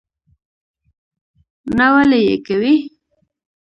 نه ولي یې کوې?